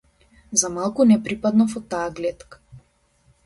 За малку не припаднав од таа глетка.